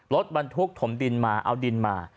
รถบรรทุกถมดินมาเอาดินมา